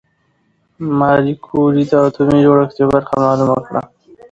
ماري کوري د اتومي جوړښت یوه برخه معلومه کړه.